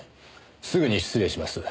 すぐに失礼します。